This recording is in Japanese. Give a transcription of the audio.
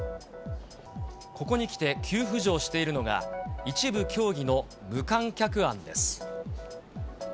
ここにきて、急浮上しているのが、一部競技の無観客案です。